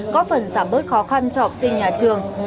có phần giảm bớt khó khăn cho học sinh nhà trường